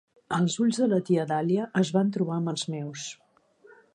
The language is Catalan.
Els ulls de la tia Dàlia, es van trobar amb els meus.